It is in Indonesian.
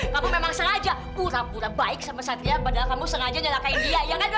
kamu memang sengaja pura pura baik sama satria padahal kamu sengaja nyerahkain dia iya kan